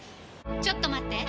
ちょっと待って！